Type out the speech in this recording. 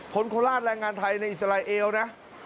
โคราชแรงงานไทยในอิสราเอลนะ